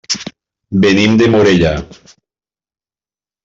Venim de Morella.